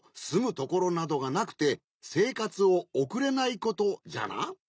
すむところなどがなくてせいかつをおくれないことじゃな。